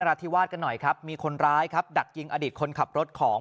ราธิวาสกันหน่อยครับมีคนร้ายครับดักยิงอดีตคนขับรถของ